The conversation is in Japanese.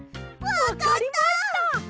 わかりました！